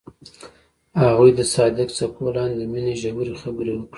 هغوی د صادق څپو لاندې د مینې ژورې خبرې وکړې.